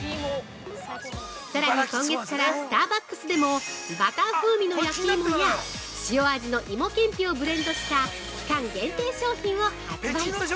さらに今月からスターバックスでもバター風味の焼き芋や塩味の芋けんぴをブレンドした期間限定商品を発売。